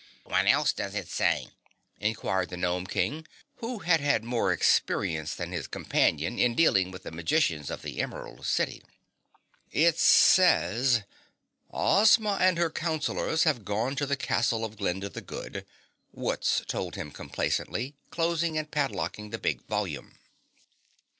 '" "What else does it say?" inquired the Gnome King, who had had more experience than his companion in dealing with the magicians of the Emerald City. "It says, 'Ozma and her counselors have gone to the castle of Glinda the Good,'" Wutz told him complacently closing and padlocking the big volume.